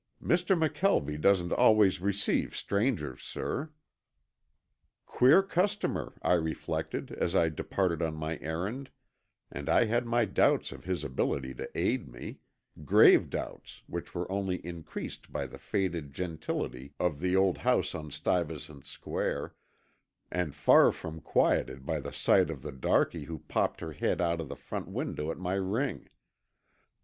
"Mr. McKelvie doesn't always receive strangers, sir." Queer customer, I reflected as I departed on my errand and I had my doubts of his ability to aid me, grave doubts which were only increased by the faded gentility of the old house on Stuyvesant Square, and far from quieted by the sight of the darky who popped her head out of the front window at my ring.